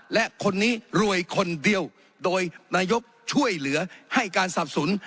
และคนนี้รวยคนเดียวโดยนายกช่วยเหลือให้การสับสน